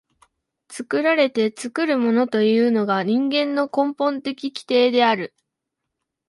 作られて作るものというのが人間の根本的規定である。